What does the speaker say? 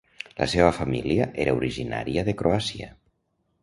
La seva família era originària de Croàcia.